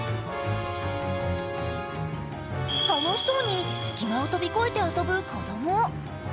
楽しそうに隙間を跳び越えて遊ぶ子供。